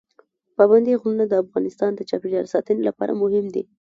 پابندي غرونه د افغانستان د چاپیریال ساتنې لپاره مهم دي.